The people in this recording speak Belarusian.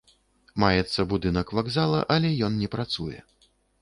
Маецца будынак вакзала, але ён не працуе.